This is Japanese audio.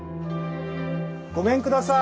ごめんください！